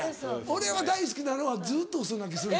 俺は大好きなのはずっとウソ泣きする。